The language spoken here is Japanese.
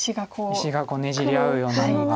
石がねじり合うようなのが。